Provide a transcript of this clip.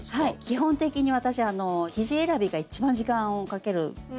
基本的に私生地選びが一番時間をかけるポイントで。